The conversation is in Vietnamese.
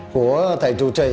của thầy chủ trì